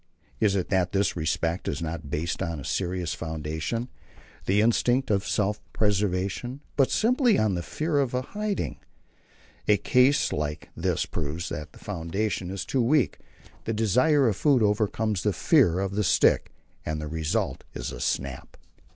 It is that this respect is not based on a serious foundation the instinct of self preservation but simply on the fear of a hiding. A case like this proves that the foundation is too weak; the desire of food overcomes the fear of the stick, and the result is a snap.